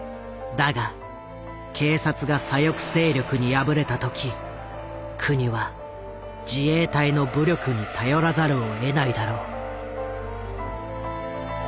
だが警察が左翼勢力に敗れた時国は自衛隊の武力に頼らざるをえないだろう。